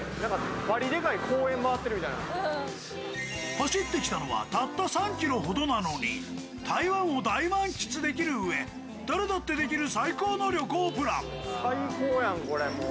走ってきたのはたった３ｋｍほどなのに、台湾を満喫できるうえ誰だってできる最高の旅行プラン。